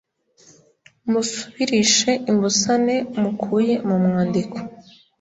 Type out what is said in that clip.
musubirishe imbusane mukuye mu mwandiko